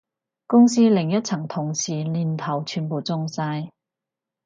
公司另一層同事年頭全部中晒